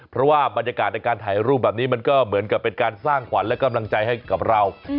เพราะว่าบรรยากาศในการถ่ายรูปแบบนี้มันก็เหมือนกับเป็นการสร้างขวัญและกำลังใจให้กับเรา